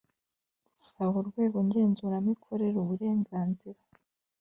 gusaba urwego ngenzuramikorere uburenganzira